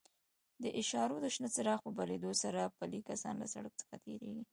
د اشارو د شنه څراغ په بلېدو سره پلي کسان له سړک څخه تېرېږي.